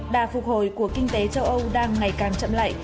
đà phục hồi của kinh tế châu âu đang ngày càng chậm lại